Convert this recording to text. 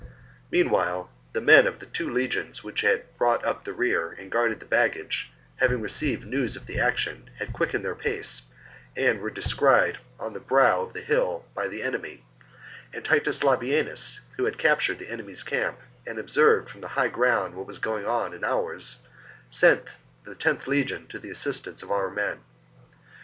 Meanwhile the men of the two legions which had brought up the rear and guarded the baggage, having received news of the action, had quickened their pace and were descried on the brow of the hill by the enemy ; and Titus Labienus, who had captured the enemy's camp and observed from the high ground what was going on in ours, sent the loth legion to the assistance of our men.